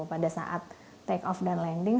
pada saat take off dan landing